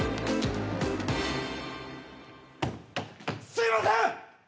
すいません！